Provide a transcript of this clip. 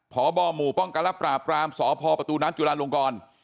พบหมู่ป้องกันและปราบรามสพประตูน้ำจุลาลงกร